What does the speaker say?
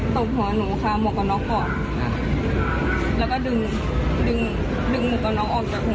ตกหัวหนูค่ะหมวกนอกก่อนแล้วก็ดึงดึงดึงหมวกนอกออกจากหัวหนู